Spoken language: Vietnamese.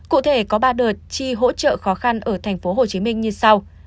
cụ thể có ba đợt chi hỗ trợ khó khăn ở tp hcm như sau